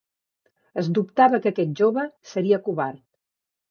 Es dubtava que aquest jove seria covard.